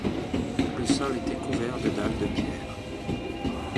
Le sol était couvert de dalles de pierre.